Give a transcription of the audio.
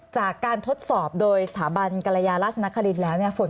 จากการทดสอบโดยสถาบันกรยาราชนครินทร์แล้วเนี่ยฝน